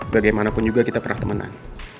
bagaimanapun juga kita pernah teman